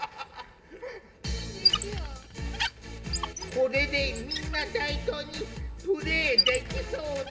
これでみんな対等にプレーできそうだ。